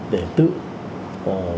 để tự tham gia cái hướng dẫn